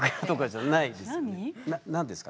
な何ですか？